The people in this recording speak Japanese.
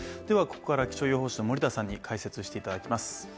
ここから気象予報士の森田さんに解説していただきます。